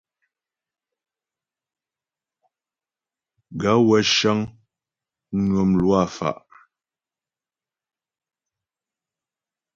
Gaə̂ wə́ cə́ŋ mnwə mlwâ fá'.